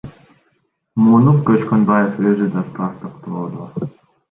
Муну Көчкөнбаев өзү да тастыктоодо.